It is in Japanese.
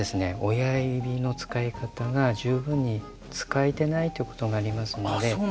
親指の使い方が十分に使えてないということがありますので。